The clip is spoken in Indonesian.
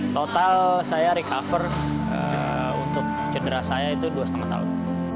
total saya recover untuk cedera saya itu dua lima tahun